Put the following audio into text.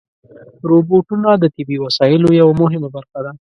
روبوټونه د طبي وسایلو یوه مهمه برخه ده.